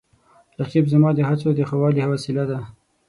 رقیب زما د هڅو د ښه والي وسیله ده